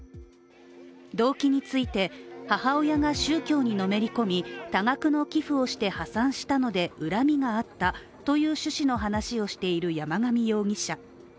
動機について、母親が宗教にのめり込み多額の寄付をして破産したので、恨みがあったという趣旨の話をしている山上容疑者。